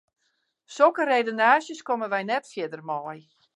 Sokke redenaasjes komme wy net fierder mei.